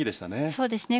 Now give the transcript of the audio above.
そうですね。